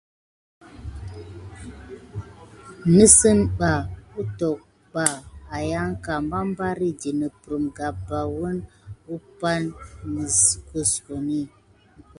Nisiba hotaba ayangane barbardi naprime gaban wune vapay mikesodi.